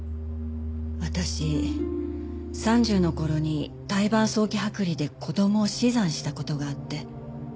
私３０の頃に胎盤早期剥離で子供を死産した事があって。